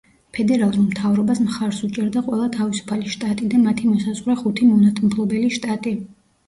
ფედერალურ მთავრობას მხარს უჭერდა ყველა თავისუფალი შტატი და მათი მოსაზღვრე ხუთი მონათმფლობელი შტატი.